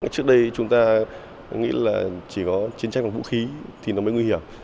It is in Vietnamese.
trước đây chúng ta nghĩ là chỉ có chiến tranh bằng vũ khí thì nó mới nguy hiểm